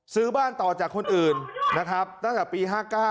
ซื้อบ้านต่อจากคนอื่นนะครับตั้งแต่ปี๕๙